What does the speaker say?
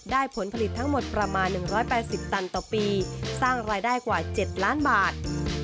ผลผลิตทั้งหมดประมาณ๑๘๐ตันต่อปีสร้างรายได้กว่า๗ล้านบาท